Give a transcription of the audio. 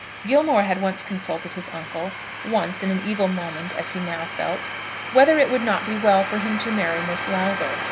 Gilmore had once consulted his uncle, once in an evil moment, as he now felt, whether it would not be well for him to marry Miss Lowther.